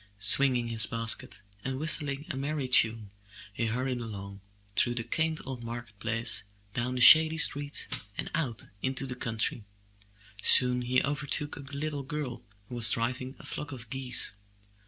Swinging his basket and whistling a merry tune, he hurried along, through the quaint old market place, down the shady streets, and out into the country. Soon he overtook a little girl who was driving a flock of geese.